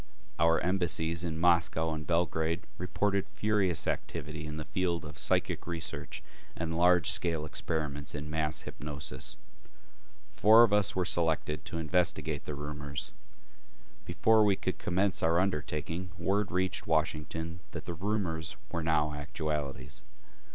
Our embassies in Moscow and Belgrade reported furious activity in the field of psychic research and large scale experiments in mass hypnosis. Four of us were selected to investigate the rumors. Before we could commence our undertaking, word reached Washington that the rumors were now actualities.